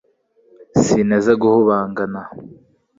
sinteze guhubangana